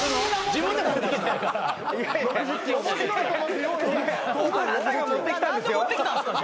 自分で持ってきたんですよこれ。